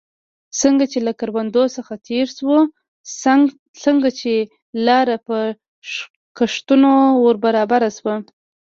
چې له کروندو څخه تېر شو، څنګه چې لار په کښتونو ور برابره شوه.